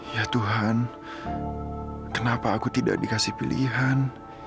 ya tuhan kenapa aku tidak dikasih pilihan